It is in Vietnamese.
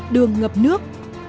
đường ngập nước